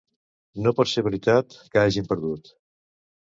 No pot ser veritat que hàgim perdut.